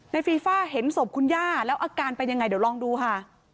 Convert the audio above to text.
ฟีฟ่าเห็นศพคุณย่าแล้วอาการเป็นยังไงเดี๋ยวลองดูค่ะ